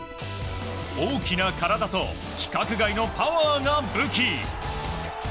大きな体と規格外のパワーが武器。